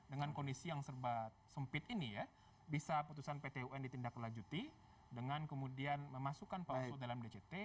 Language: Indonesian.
dengan kondisi yang serba sempit ini ya bisa putusan pt un ditindaklanjuti dengan kemudian memasukkan pak oso dalam dct